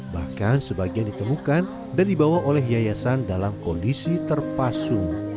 bahkan sebagian ditemukan dan dibawa oleh yayasan dalam kondisi terpasu